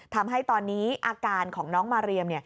ทำให้ตอนนี้อาการของน้องมาเรียม